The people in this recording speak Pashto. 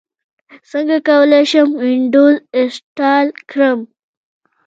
څنګه کولی شم وینډوز انسټال کړم